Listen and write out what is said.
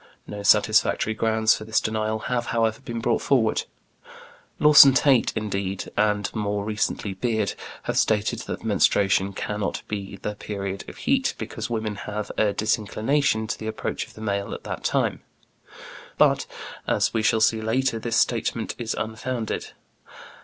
No satisfactory grounds for this denial have, however, been brought forward. Lawson Tait, indeed, and more recently Beard, have stated that menstruation cannot be the period of heat, because women have a disinclination to the approach of the male at that time. But, as we shall see later, this statement is unfounded.